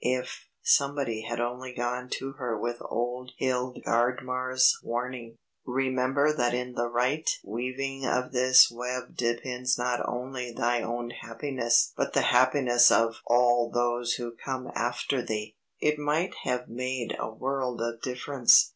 If somebody had only gone to her with old Hildgardmar's warning "Remember that in the right weaving of this web depends not only thy own happiness but the happiness of all those who come after thee," it might have made a world of difference.